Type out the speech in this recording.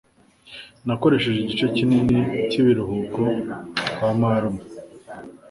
Nakoresheje igice kinini cyibiruhuko kwa marume.